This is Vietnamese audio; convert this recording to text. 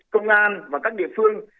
công an và các địa phương